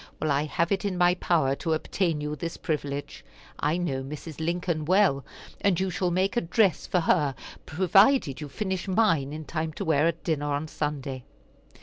Well, I have it in my power to obtain you this privilege. I know Mrs. Lincoln well, and you shall make a dress for her provided you finish mine in time to wear at dinner on Sunday."